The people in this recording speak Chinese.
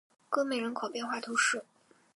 戈梅人口变化图示